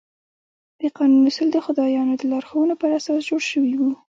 د قانون اصول د خدایانو د لارښوونو پر اساس جوړ شوي وو.